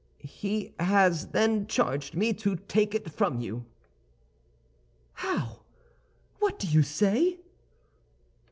"He has, then, charged me to take it from you." "How! What do you say?"